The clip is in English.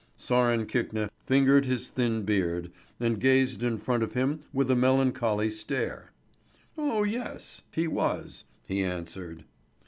Sören Kvikne fingered his thin beard, and gazed in front of him with a melancholy stare. Oh yes! He was, he answered.